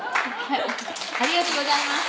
ありがとうございます。